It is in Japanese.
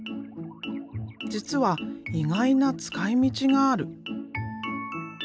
実は意外な使いみちがある。